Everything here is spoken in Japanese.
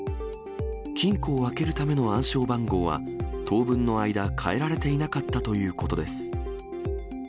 金庫を開けるための暗証番号は、当分の間、変えられていなかったということです。